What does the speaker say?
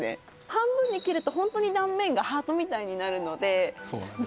半分に切るとホントに断面がハートみたいになるのでそうなんですよ